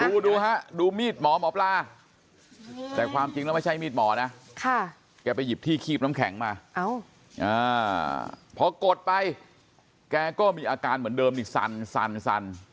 ดูดูฮะดูมีดหมอหมอปลาแต่ความจริงแล้วไม่ใช่มีดหมอนะแกไปหยิบที่คีบน้ำแข็งมาพอกดไปแกก็มีอาการเหมือนเดิมนี่สั่น